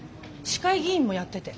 市会議員もやってて。